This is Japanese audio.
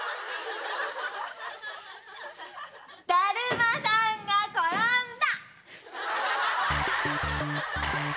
だるまさんが転んだ！